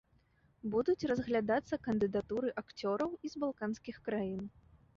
Будуць разглядацца кандыдатуры акцёраў і з балканскіх краін.